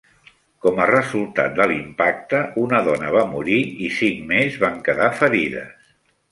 Com a resultat de l'impacte, una dona va morir i cinc més van quedar ferides.